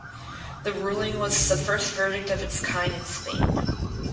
The ruling was the first verdict of its kind in Spain.